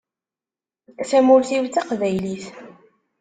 Tamurt-iw d taqbaylit.